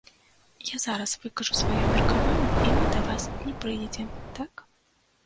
Я зараз выкажу сваё меркаванне, і мы да вас не прыедзем, так?